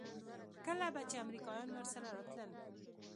کله به چې امريکايان ورسره راتلل.